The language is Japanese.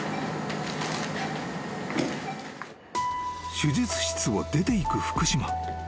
［手術室を出ていく福島］